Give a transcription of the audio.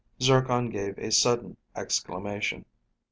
Zircon gave a sudden exclamation.